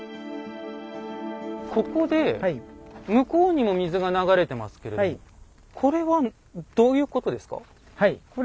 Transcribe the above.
ここで向こうにも水が流れてますけれどもこれはどういうことですか？